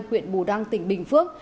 huyện bù đăng tỉnh bình phước